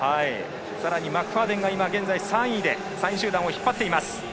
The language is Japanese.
さらにマクファーデンが現在３位で、３位集団を引っ張っています。